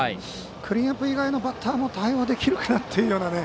クリーンナップ以外のバッターも対応できるかなっていうような。